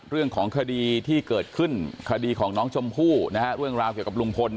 เรื่องของคดีที่เกิดขึ้นคดีของน้องชมพู่เรื่องราวเกี่ยวกับลุงพล